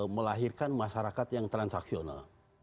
melahirkan masyarakat yang transaksional